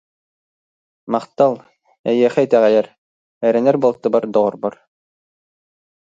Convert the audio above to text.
Махтал, эйиэхэ итэҕэйэр, эрэнэр балтыбар, доҕорбор